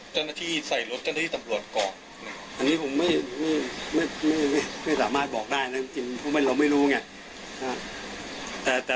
จริงขนาดถึงต้องยิงกันตายแล้ว